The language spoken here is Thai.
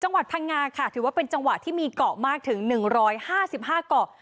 พังงาค่ะถือว่าเป็นจังหวะที่มีเกาะมากถึง๑๕๕เกาะ